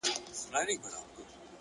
علم د انسان فکر اصلاح کوي!